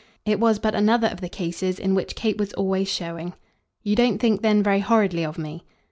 It was but another of the cases in which Kate was always showing. "You don't think then very horridly of me?"